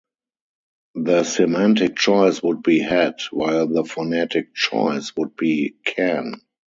The semantic choice would be "hat" while the phonetic choice would be "can".